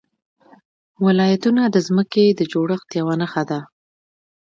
ولایتونه د ځمکې د جوړښت یوه نښه ده.